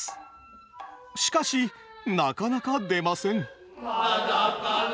しかしなかなか出ません。